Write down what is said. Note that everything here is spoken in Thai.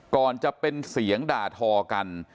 ก่อนจะเป็นเสียงด่าทอกัน